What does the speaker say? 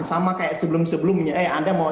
sama kayak sebelum sebelumnya anda mau